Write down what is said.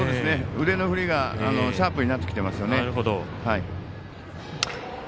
腕の振りがシャープになってきてますよね。